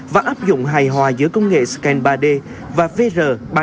và áp dụng hài hòa giữa công nghệ scan ba d và vr ba trăm bốn mươi